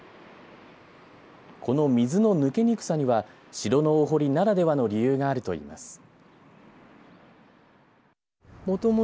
この水の抜けにくさには城のお堀ならではの理由があるといいます。